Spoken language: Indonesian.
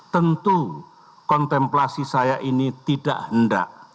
tentu kontemplasi saya ini tidak hendak